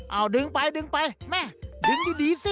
เอาดึงไปดึงไปแม่ดึงดีสิ